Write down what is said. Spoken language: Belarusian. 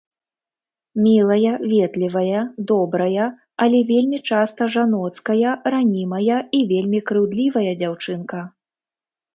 Мілая, ветлівая, добрая, але вельмі часта жаноцкая, ранімая і вельмі крыўдлівая дзяўчынка.